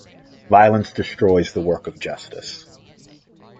Violence destroys the work of justice.